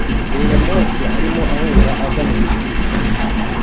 REBA Mose arimo ahunga ava mu Misiri